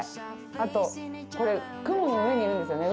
あと、これ、雲の上にいるんですよね。